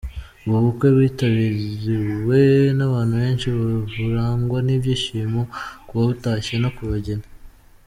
Ubu bukwe bwitabiriwe n'abantu benshi burangwa n'ibyishimo ku babutashye no ku bageni.